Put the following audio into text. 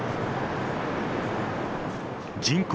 人口